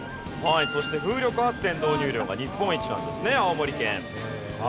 そして風力発電導入量が日本一なんですね青森県。